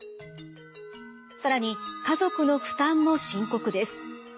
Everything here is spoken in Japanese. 更に家族の負担も深刻です。